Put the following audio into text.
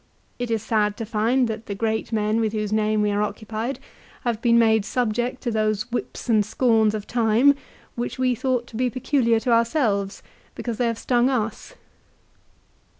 It is sad to find that the great men with whose name we are occupied have been made subject to those " whips and scorns of time " which we thought to be peculiar to ourselves, be cause they have stung us.